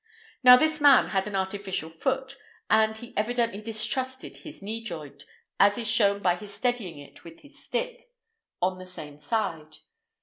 Now, this man had an artificial foot, and he evidently distrusted his knee joint, as is shown by his steadying it with his stick on the same side.